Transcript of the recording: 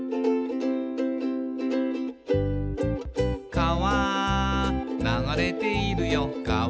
「かわ流れているよかわ」